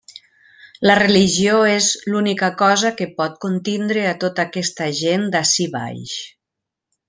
La religió és l'única cosa que pot contindre a tota aquesta gent d'ací baix.